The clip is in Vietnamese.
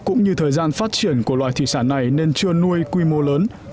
cũng như thời gian phát triển của loài thủy sản này nên chưa nuôi quy mô lớn